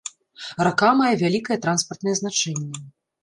Рака мае вялікае транспартнае значэнне.